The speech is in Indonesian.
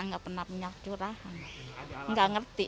saya pernah minyak curah gak ngerti